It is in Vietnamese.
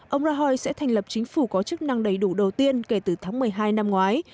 ông rahoi sẽ thành lập chính phủ có chức năng đầy đủ đầu tiên kể từ tháng một mươi hai năm ngoái